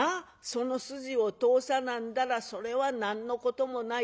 その筋を通さなんだらそれは何のこともない